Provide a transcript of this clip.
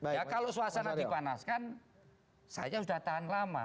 ya kalau suasana dipanaskan saya sudah tahan lama